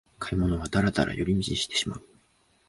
買い物はダラダラ寄り道してしまう